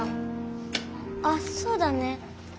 あっそうだね。